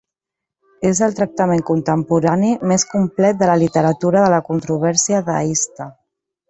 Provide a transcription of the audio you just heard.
És el tractament contemporani més complet de la literatura de la controvèrsia deista.